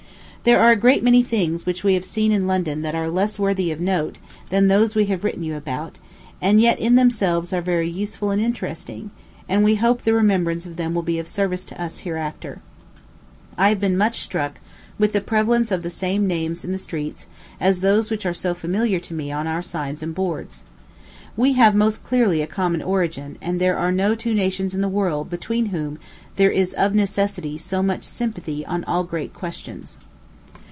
There are a great many things which we have seen in London that are less worthy of note than those we have written you about, and yet in themselves are very useful and interesting; and we hope the remembrance of them will be of service to us hereafter. I have been much struck with the prevalence of the same names in the streets as those which are so familiar to me on our signs and boards. We have most clearly a common origin, and there are no two nations in the world between whom there is of necessity so much sympathy on all great questions.